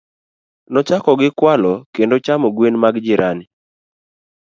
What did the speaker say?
Nochako gi kwalo kendo chamo gwen mag jirani.